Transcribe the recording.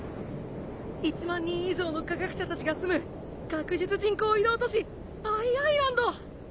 １万人以上の科学者たちが住む学術人工移動都市「Ｉ・アイランド」！